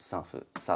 さあ